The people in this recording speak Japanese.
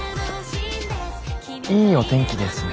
いいお天気ですね。